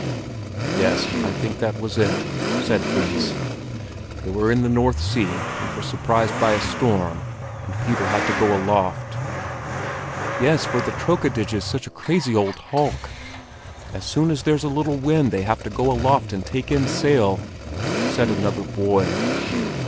"Yes, I think that was it," said Fris. "They were in the North Sea, and were surprised by a storm; and Peter had to go aloft." "Yes, for the Trokkadej is such a crazy old hulk. As soon as there's a little wind, they have to go aloft and take in sail," said another boy.